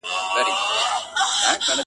طوطي والوتی یوې او بلي خواته!